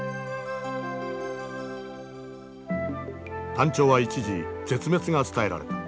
タンチョウは一時絶滅が伝えられた。